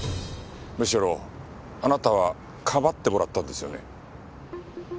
むしろあなたはかばってもらったんですよね？